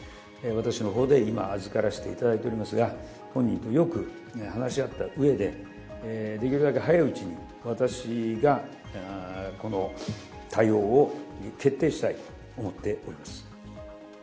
私のほうで、今、預からせていただいておりますが、本人とよく話し合ったうえで、できるだけ早いうちに、私がこの対応を決定したいと思っております。